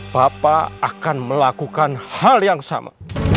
bapak akan melakukan hal yang sama